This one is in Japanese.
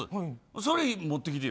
それを持ってきてよ。